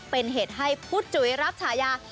เป็นเหตุให้พุทธจุ๋ยรับฉายา